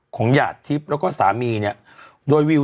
ของหญาติทิพย์แล้วก็สามีเนี่ย